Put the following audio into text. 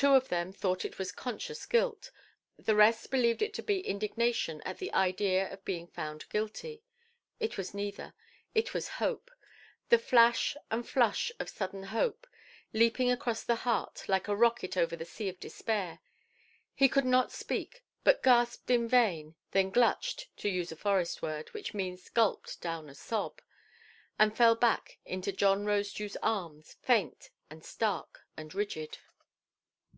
Two of them thought it was conscious guilt; the rest believed it to be indignation at the idea of being found guilty. It was neither; it was hope. The flash and flush of sudden hope, leaping across the heart, like a rocket over the sea of despair. He could not speak, but gasped in vain, then glutched (to use a forest word, which means gulped down a sob), and fell back into John Rosedewʼs arms, faint, and stark, and rigid.